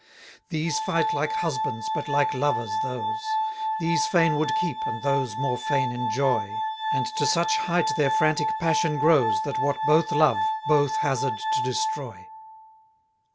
28 These fight like husbands, but like lovers those: These fain would keep, and those more fain enjoy: And to such height their frantic passion grows, That what both love, both hazard to destroy.